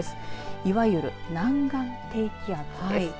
いわゆる南岸低気圧です。